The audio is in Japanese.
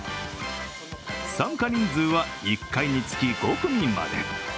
参加人数は１回につき５組まで。